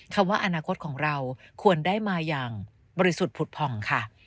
คำว่าอนาคตของเราควรได้มาอย่างบริสุทธิ์ผุดผ่องค่ะ